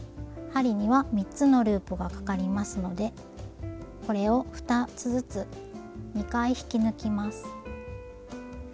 針には３つのループがかかりますのでこれを２つずつ２回引き抜きます。